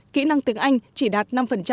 kỹ năng tiếng anh chỉ đạt năm